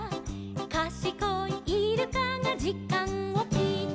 「かしこいイルカがじかんをきいた」